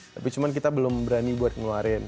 tapi cuma kita belum berani buat ngeluarin